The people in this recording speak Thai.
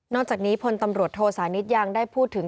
จากนี้พลตำรวจโทสานิทยังได้พูดถึง